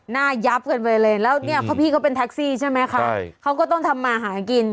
ยับกันไปเลยแล้วเนี่ยพี่เขาเป็นแท็กซี่ใช่ไหมคะเขาก็ต้องทำมาหากิน